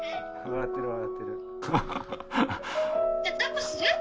「じゃあ抱っこする？」